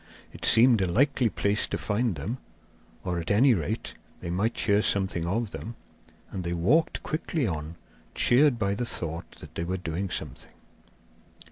It seemed a likely place to find them, or, at any rate, they might hear something of them, and they walked quickly on, cheered by the thought that they were doing something.